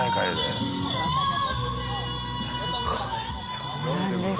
そうなんです。